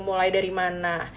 mulai dari mana